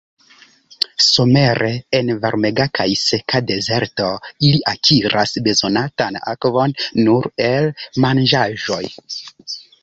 Somere en varmega kaj seka dezerto ili akiras bezonatan akvon nur el manĝaĵoj.